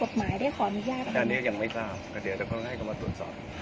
ตายได้ขอมิย่าแต่ยังไม่ทราบเดี๋ยวต้องให้เขามาตรวจสอบ